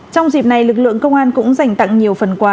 trong dịp này lực lượng công an cũng dành tặng nhiều phần quà